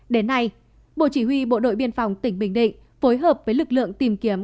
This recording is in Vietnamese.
đến nay bộ chỉ huy bộ đội biên phòng tỉnh bình định phối hợp với lực lượng tìm kiếm